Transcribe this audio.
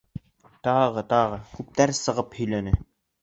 Тағы-тағы күптәр сығып һөйләне.